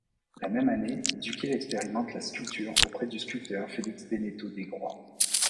La même année, Duquet expérimente la sculpture auprès du sculpteur Félix Benneteau-Desgrois.